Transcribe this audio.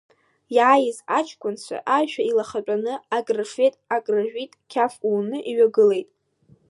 Иааиз аҷкәынцәа аишәа илахатәан, акрырфеит, акрыжәит, қьаф уны иҩагылеит.